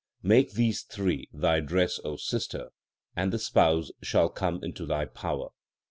Make these three 1 thy dress, O sister, and the Spouse shall come into thy power.